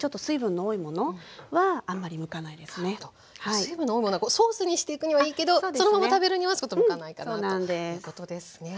水分の多いものはソースにしていくにはいいけどそのまま食べるにはちょっと向かないかなということですね。